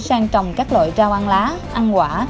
sang trồng các loại rau ăn lá ăn quả